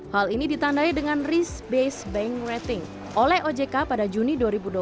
hal ini ditandai dengan risk based bank rating oleh ojk pada juni dua ribu dua puluh